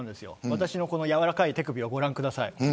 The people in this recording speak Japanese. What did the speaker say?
私のやわらかい手首をご覧ください。